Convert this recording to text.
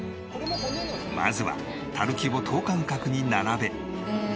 まずは垂木を等間隔に並べ。